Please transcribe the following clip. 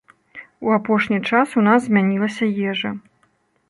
У апошні час у нас змянілася ежа.